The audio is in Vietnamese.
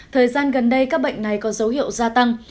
thời gian gần đây các bệnh này có dấu hiệu gia tăng